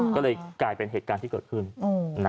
ก็เลยกลายเป็นเหตุการณ์ที่เกิดขึ้น